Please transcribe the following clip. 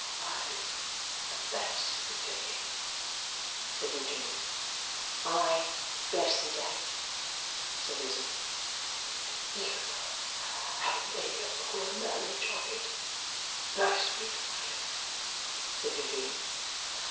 'I bless the day!' said Eugene. 'I bless the day!' said Lizzie. 'You have made a poor marriage of it, my sweet wife,' said Eugene.